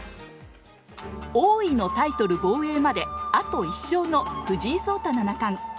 王位のタイトル防衛まであと１勝の藤井聡太七冠。